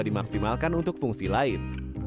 dimaksimalkan untuk fungsi lain